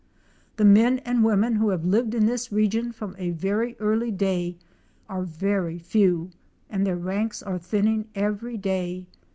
The men and women who have lived in this region from a very early day are very few and their ranks are thinning every day.